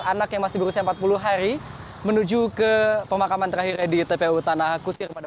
anak yang masih berusia empat puluh hari menuju ke pemakaman terakhir di tpu tanah kusir pada